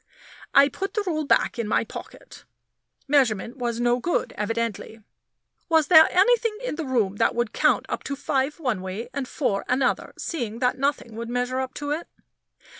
I put the rule back in my pocket measurement was no good, evidently. Was there anything in the room that would count up to 5 one way and 4 another, seeing that nothing would measure up to it?